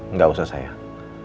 nggak usah sayang